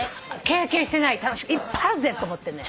経験してない楽しいこといっぱいあるぜ！と思ってね。